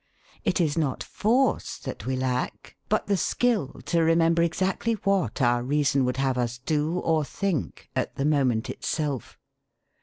It is not force that we lack, but the skill to remember exactly what our reason would have us do or think at the moment itself.